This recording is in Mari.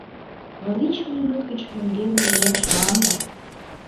Но вич минут гыч мӧҥгем миен шуам да